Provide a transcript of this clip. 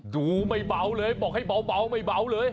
ดูไม่เบาเลยบอกให้เบาไม่เบาเลย